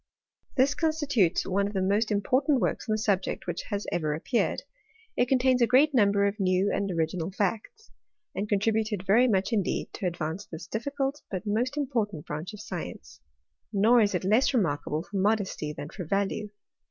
This constitutes one of the most important works on the subject which hat ever appeared. It contains a great number of new and original facts ; and contributed very much indeed to advance this difficult, but most important branch of science : nor is it less remarkable for modesty than for value.